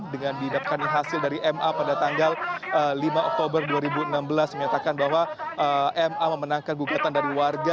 dengan didapatkan hasil dari ma pada tanggal lima oktober dua ribu enam belas menyatakan bahwa ma memenangkan gugatan dari warga